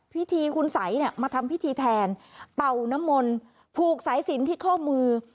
พิธีคุณสัยเนี่ยมาทำพิธีแทนเป่าน้ำมนต์ผูกสายสินที่ข้อมือ